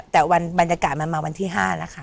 แต่บรรยากาศมันมาวันที่๕แล้วค่ะ